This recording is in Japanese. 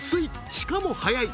しかも早い！